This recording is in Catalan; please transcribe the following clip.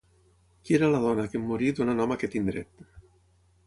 qui era la dona que en morir donà nom a aquest indret